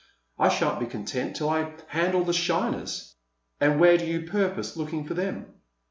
I shan't be content till I handle the shiners." "And where do you purpose looking for them?"